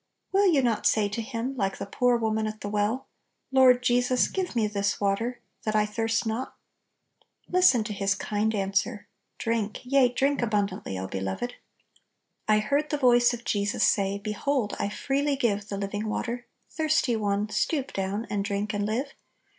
Will you not say to Him, like the poor woman at the well, " Lord Jesus, give me this water, that I thirst not ! n Listen to his kind answer! "Drink, yea, drink abundantly, O beloved !" "I heard the voice of Jesus say, Behold, I freely give The living water ; thirsty one, Stoop down, and drink, and live.